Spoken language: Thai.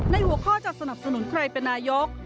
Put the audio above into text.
หัวข้อจะสนับสนุนใครเป็นนายก